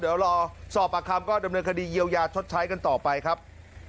เดี๋ยวรอสอบปากคำก็ดำเนินคดีเยียวยาชดใช้กันต่อไปครับ